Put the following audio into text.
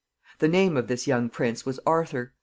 The name of this young prince was Arthur.